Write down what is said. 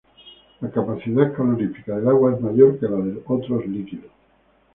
La capacidad calorífica del agua es mayor que la de otros líquidos.